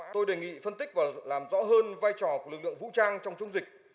tôi đề nghị phân tích và làm rõ hơn vai trò của lực lượng vũ trang trong trung dịch